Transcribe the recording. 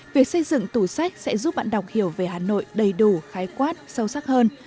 việc xây dựng tủ sách sẽ giúp bạn đọc hiểu về hà nội đầy đủ khái quát sâu sắc hơn